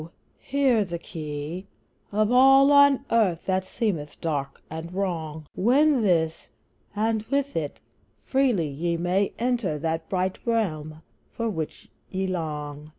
here the key Of all on earth that seemeth dark and wrong; Win this and, with it, freely ye May enter that bright realm for which ye long.